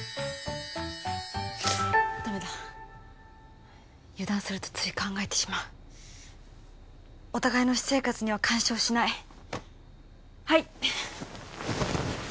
ダメだ油断するとつい考えてしまうお互いの私生活には干渉しないはい！